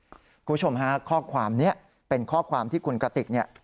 คุณผู้ชมฮะข้อความนี้เป็นข้อความที่คุณกระติกเนี่ย